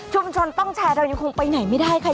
ชนต้องแชร์เรายังคงไปไหนไม่ได้ค่ะ